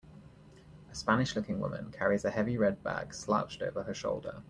A Spanish looking woman carries a heavy red bag slouched over her shoulder.